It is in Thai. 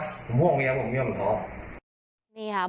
ผมห่วงไปเยอะผมไม่ห่วงไปทอด